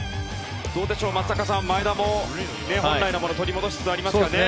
どうでしょう、松坂さん前田も本来の姿を取り戻しつつありますね。